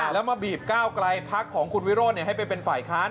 แล้วมาบีบก้าวไกลพักของคุณวิโรธให้ไปเป็นฝ่ายค้าน